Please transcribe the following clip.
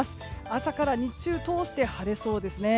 朝から日中通して晴れそうですね。